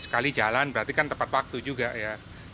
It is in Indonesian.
sekali jalan berarti kan tepat waktu juga ya